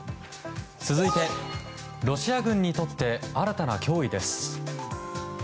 続いて、ロシア軍にとって新たな脅威です。